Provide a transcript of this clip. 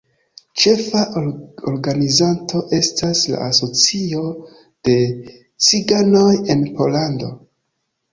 Ĉefa organizanto estas la Asocio de Ciganoj en Pollando.